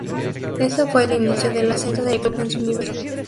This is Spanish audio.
Eso fue el inicio del ascenso del club en su nivel.